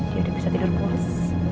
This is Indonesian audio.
dia udah bisa tidur puas